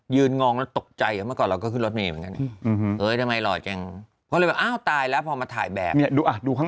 เก้าอี้ขาวในห้องแดง